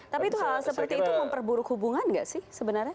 tapi hal seperti itu memperburuk hubungan tidak sih sebenarnya